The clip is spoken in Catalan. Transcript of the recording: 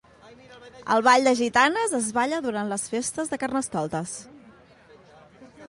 El Ball de Gitanes es balla durant les festes de Carnestoltes.